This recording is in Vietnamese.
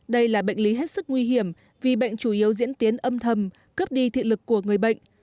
đây là bệnh lý hết sức nguy hiểm vì bệnh chủ yếu diễn tiến âm thầm cướp đi thị lực của người bệnh